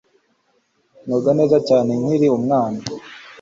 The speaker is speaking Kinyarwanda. Noga neza cyane nkiri umwana.